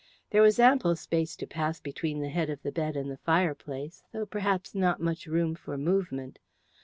There was ample space to pass between the head of the bed and the fireplace, though perhaps not much room for movement.